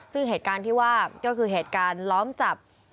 ซึ่งเหตุการณ์ที่ว่าก็คือเหตุการณ์ล้อมจับ